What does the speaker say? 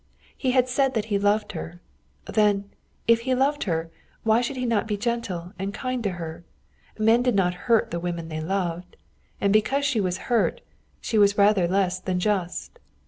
He had said that he loved her. Then, if he loved her, why should he not be gentle and kind to her? Men did not hurt the women they loved. And because she was hurt, she was rather less than just.